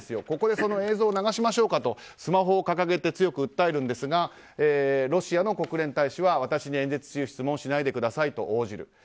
ここでその映像を流しましょうかとスマホを掲げて強く訴えるんですがロシアの国連大使は私に演説中質問しないでくださいと応じる。